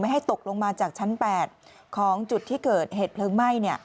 ให้ตกลงมาจากชั้น๘ของจุดที่เกิดเหตุเพลิงไหม้